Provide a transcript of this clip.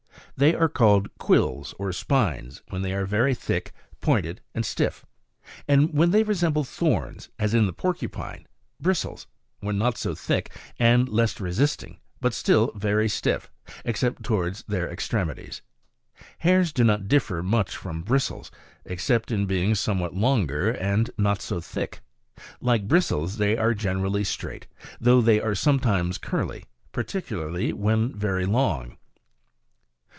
They are called quills or spines, when they are very thick, pointed, and stiff, and when they resemble thorns, (as in the porcupine) ; bristles, when not so thick and less resisting, but still, very stiff, except towards their extremities; hairs do not differ much from bristles except in being somewhat longer and not so thick ; like bristles, they are generally straight, though they are sometimes curly, particularly when very long.